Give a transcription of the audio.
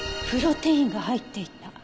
プロテインが入っていた。